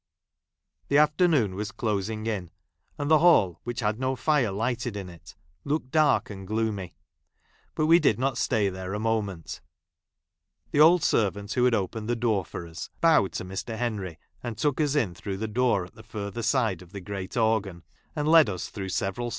The afternoon was closing in, and the hall, which had no fire lighted in it, looked dark and Charle. Dickens.] THE OLD NURSE'S STOEY. 13 —_ I i gloomy ; but we did not stay there a moment. The old servant'^who had opened the door for ns bowed to Mr. Henry, and took us in through the door at the further side of the ! great organ, and led us through several